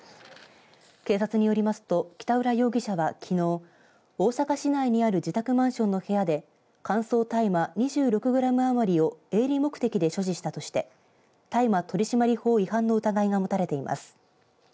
警察によりますと北浦容疑者はきのう大阪市内にある自宅マンションの部屋で乾燥大麻２６グラム余りを営利目的で所持したとして大麻取締法違反の疑いが持たれています。